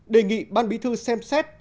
đề nghị ban bí thư xem xét